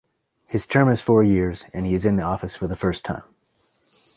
His term is four years, and he is in office for the first time.